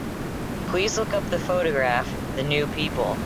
Please look up the photograph, The New People.